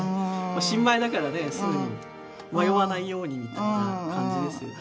新米だからねすぐに迷わないようにみたいな感じですよね。